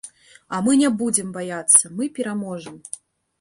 А мы не будзем баяцца, мы пераможам.